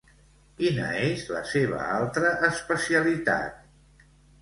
Quina és la seva altra especialitat?